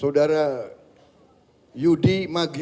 saudara yudi magyoyudin